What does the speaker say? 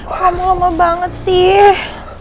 lama lama banget sih